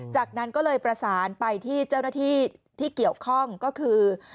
จากนั้นก็เลยประสานไปที่เจ้าหน้าที่ที่เกี่ยวข้องก็คือ